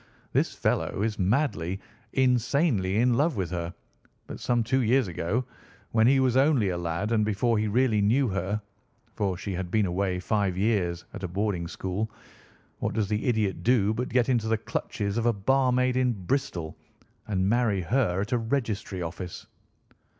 This fellow is madly, insanely, in love with her, but some two years ago, when he was only a lad, and before he really knew her, for she had been away five years at a boarding school, what does the idiot do but get into the clutches of a barmaid in Bristol and marry her at a registry office?